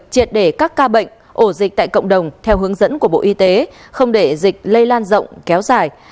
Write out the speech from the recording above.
triệt để các ca bệnh ổ dịch tại cộng đồng theo hướng dẫn của bộ y tế không để dịch lây lan rộng kéo dài